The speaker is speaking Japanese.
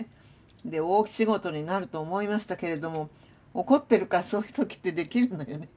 で大仕事になると思いましたけれども怒ってるからそういう時ってできるのよね。